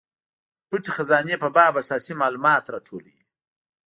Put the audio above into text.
د پټې خزانې په باب اساسي مالومات راټولوي.